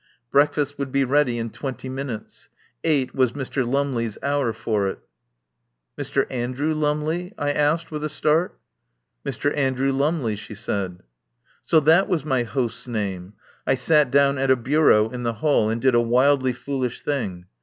Breakfast would be ready in twenty minutes; eight was Mr. Lumley's hour for it. "Mr. Andrew Lumley?" I asked with a start. "Mr. Andrew Lumley," she said. So that was my host's name. I sat down at a bureau in the hall and did a wildly foolish thing.